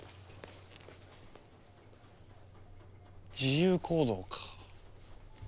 自由行動か。